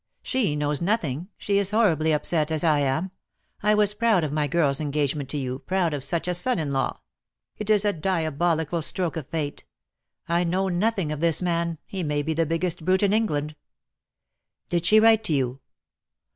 "She knows nothing. She is horribly upset, as I am. I was proud of my girl's engagement to you, proud of such a son in law. It is a diabolical stroke of fate. I know nothing of this man; he may be the biggest brute in England." "Did she write to you?"